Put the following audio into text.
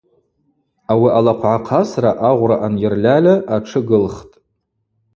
Ауи алахъвгӏахъасра агъвра анйырльальа атшы гылхтӏ.